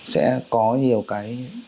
sẽ có nhiều cái